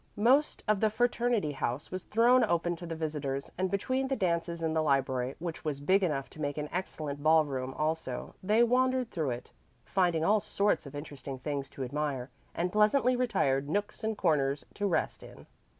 Most of the fraternity house was thrown open to the visitors, and between the dances in the library, which was big enough to make an excellent ball room also, they wandered through it, finding all sorts of interesting things to admire, and pleasantly retired nooks and corners to rest in.